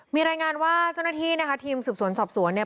มีรายงานว่าเจ้าหน้าที่นะคะทีมสืบสวนสอบสวนเนี่ย